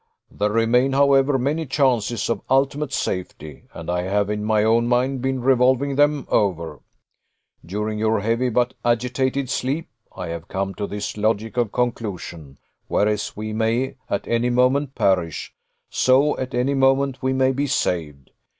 There remain, however, many chances of ultimate safety, and I have, in my own mind, been revolving them over, during your heavy but agitated sleep. I have come to this logical conclusion whereas we may at any moment perish, so at any moment we may be saved!